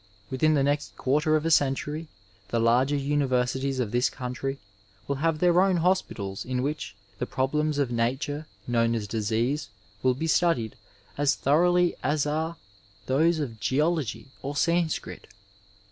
Within the next quarter of a century the lar^ nniversities of this country will have their own hospitals in which the problems of nature known as disease will be stadied as thoroughly as are those of geology or Sanscrit.